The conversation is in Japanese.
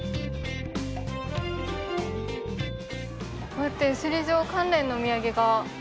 こうやって首里城関連のお土産が。